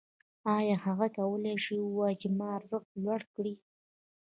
آیا هغه کولی شي ووايي چې ما ارزښت لوړ کړی